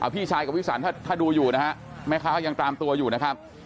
พี่ชายกับพี่สันถ้าดูอยู่นะฮะแม่ค้ายังตามตัวอยู่นะครับ